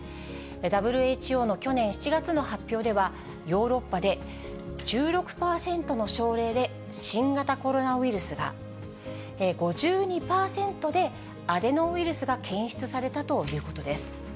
ＷＨＯの去年７月の発表では、ヨーロッパで、１６％の症例で新型コロナウイルスが、５２％でアデノウイルスが検出されたということです。